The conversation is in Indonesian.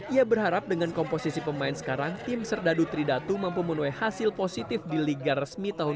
ia berharap dengan komposisi pemain sekarang tim serdadu tridatu mampu menuai hasil positif di liga resmi tahun dua ribu dua puluh